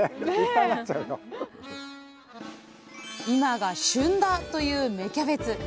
今が旬だという芽キャベツ。